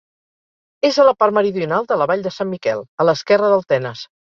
És a la part meridional de la Vall de Sant Miquel, a l'esquerra del Tenes.